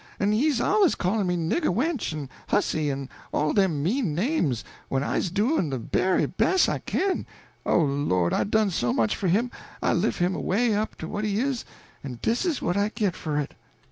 En he's al'ays callin' me nigger wench, en hussy, en all dem mean names, when I's doin' de very bes' I kin. Oh, Lord, I done so much for him I lift' him away up to what he is en dis is what I git for it."